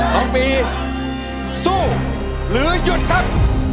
ตอนนี้สู้หรือยุดครับ